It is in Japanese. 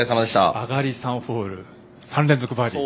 上がり３ホール３連続バーディー。